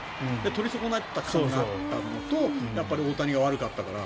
取りそこなった感があったのとやっぱり大谷が悪かったから。